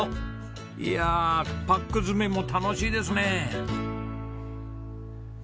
いやパック詰めも楽しいですね。